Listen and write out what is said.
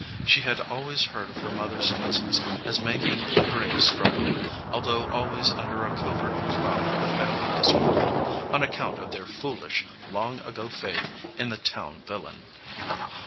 She had always heard of her mother s cousins as making a brave struggle, al though always under a covert cloud of family dis approval on account of their foolish long ago faith in the Town Villain.